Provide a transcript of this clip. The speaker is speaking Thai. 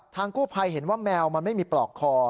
กู้ภัยเห็นว่าแมวมันไม่มีปลอกคอ